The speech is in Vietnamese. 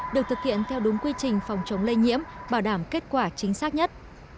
được thực hiện theo đúng quy trình phòng chống lây nhiễm bảo đảm kết quả chính xác nhất